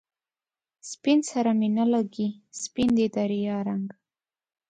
سپين سره می نه لګي، سپین دی د ریا رنګ